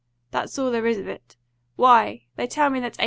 That's all there is of it. Why, they tell me that A.